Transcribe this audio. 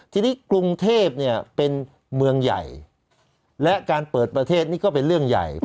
ทีนี้กรุงเทพเนี่ยเป็นเมืองใหญ่และการเปิดประเทศนี่ก็เป็นเรื่องใหญ่